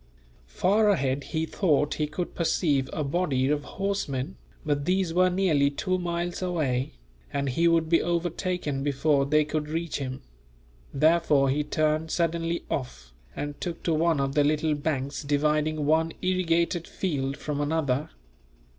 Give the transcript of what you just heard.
Far ahead he thought he could perceive a body of horsemen, but these were nearly two miles away, and he would be overtaken before they could reach him; therefore he turned suddenly off, and took to one of the little banks dividing one irrigated field from another.